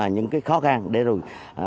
những cái khó khăn để rồi